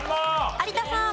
有田さん。